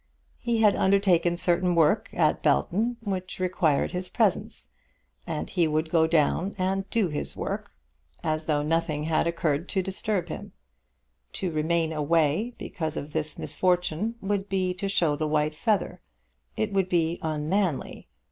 He had undertaken certain work at Belton which required his presence, and he would go down and do his work as though nothing had occurred to disturb him. To remain away because of this misfortune would be to show the white feather. It would be unmanly.